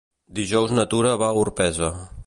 Dijous na Tura va a Orpesa.